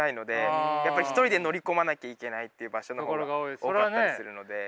やっぱり一人で乗り込まなきゃいけないっていう場所の方が多かったりするので。